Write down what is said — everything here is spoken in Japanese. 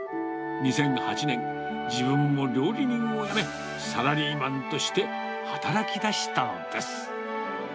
２００８年、自分も料理人を辞め、サラリーマンとして働きだしたのです。